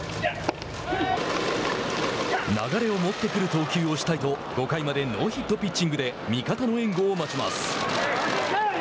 流れを持ってくる投球をしたいと５回までノーヒットピッチングで味方の援護を待ちます。